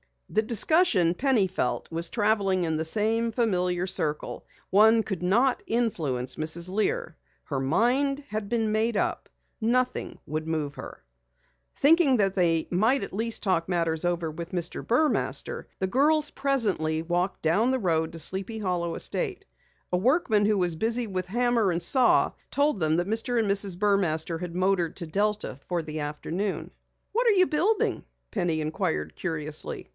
The discussion, Penny felt, was traveling in the same familiar circle. One could not influence Mrs. Lear. Her mind had been made up. Nothing would move her. Thinking that they might at least talk matters over with Mr. Burmaster, the girls presently walked down the road to Sleepy Hollow estate. A workman who was busy with hammer and saw told them that Mr. and Mrs. Burmaster had motored to Delta for the afternoon. "What are you building?" Penny inquired curiously.